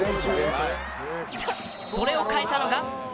それを変えたのが。